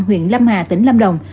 huyện lâm hà tỉnh lâm đồng